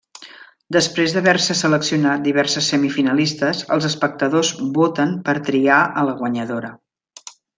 Després d'haver-se seleccionat diverses semifinalistes, els espectadors voten per triar a la guanyadora.